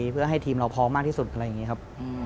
เพื่อให้ทีมเราพร้อมมากที่สุดอะไรอย่างนี้ครับ